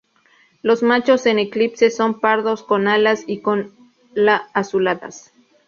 Los machos en eclipse son pardos con alas y cola azuladas.